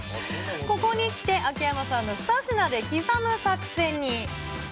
ここにきて、秋山さんの２品で刻む作戦に。